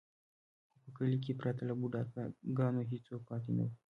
خو په کلي کې پرته له بوډا ګانو هېڅوک پاتې نه و.